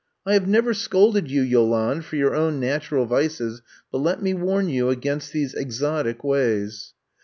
I have never scolded you, Yolande, for your own natural vices, but let me warn you against these exotic ways."